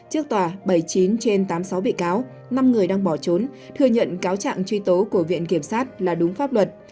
trước tòa bảy mươi chín trên tám mươi sáu bị cáo năm người đang bỏ trốn thừa nhận cáo trạng truy tố của viện kiểm sát là đúng pháp luật